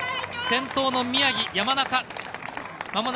先頭の宮城、山中。